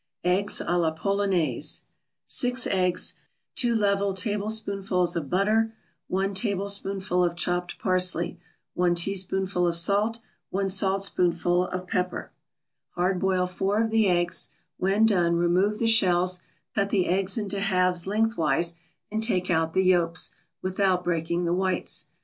EGGS A LA POLONAISE 6 eggs 2 level tablespoonfuls of butter 1 tablespoonful of chopped parsley 1 teaspoonful of salt 1 saltspoonful of pepper Hard boil four of the eggs; when done remove the shells, cut the eggs into halves lengthwise and take out the yolks, without breaking the whites.